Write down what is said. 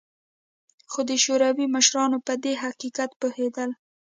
خو د شوروي مشران په دې حقیقت پوهېدل